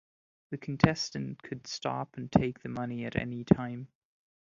The contestant could stop and take the money at any time.